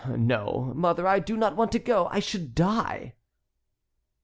No, mother, I do not want to go; I should die!"